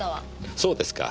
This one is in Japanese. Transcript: そうですか。